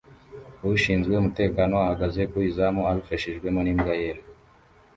Ushinzwe umutekano ahagaze ku izamu abifashijwemo n'imbwa yera